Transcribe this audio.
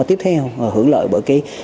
tiếp theo hưởng lợi bởi cái